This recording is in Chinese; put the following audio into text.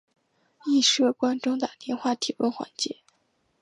亦设观众打电话提问环节。